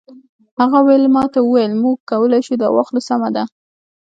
هغه ویلما ته وویل موږ کولی شو دا واخلو سمه ده